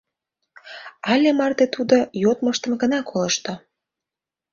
Але марте тудо йодмыштым гына колышто.